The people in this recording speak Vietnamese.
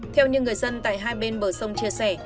theo như người dân tại hai bên bờ sông chia sẻ